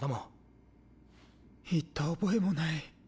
行った覚えもない。